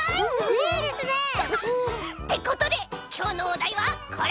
いいですね！ってことできょうのおだいはこれ！